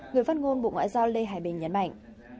người phát ngôn bộ ngoại giao lê hải bình nhấn mạnh